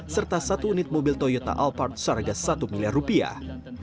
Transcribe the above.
serta satu unit mobil toyota alphard seharga satu miliar rupiah